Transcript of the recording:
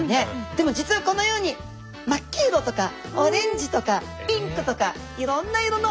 でも実はこのように真っ黄色とかオレンジとかピンクとかいろんな色の。